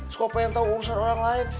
suka pengen tahu urusan orang lain